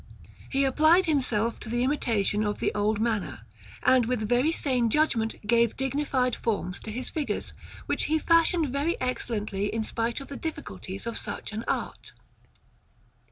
He applied himself to the imitation of the old manner, and with very sane judgment gave dignified forms to his figures, which he fashioned very excellently in spite of the difficulties of such an art.